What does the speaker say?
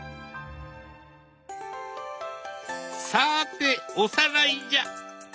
さておさらいじゃ。